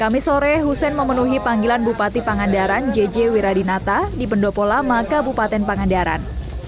kamis sore husein memenuhi panggilan bupati pangandaran j j wiradinata di pendopola maka bupaten pangandaran